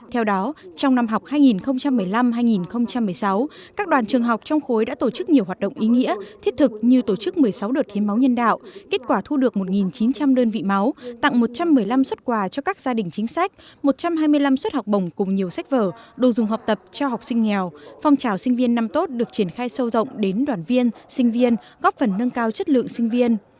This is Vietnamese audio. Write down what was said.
theo đó trong năm học hai nghìn một mươi năm hai nghìn một mươi sáu các đoàn trường học trong khối đã tổ chức nhiều hoạt động ý nghĩa thiết thực như tổ chức một mươi sáu đợt hiến máu nhân đạo kết quả thu được một chín trăm linh đơn vị máu tặng một trăm một mươi năm xuất quà cho các gia đình chính sách một trăm hai mươi năm xuất học bổng cùng nhiều sách vở đồ dùng học tập cho học sinh nghèo phong trào sinh viên năm tốt được triển khai sâu rộng đến đoàn viên sinh viên góp phần nâng cao chất lượng sinh viên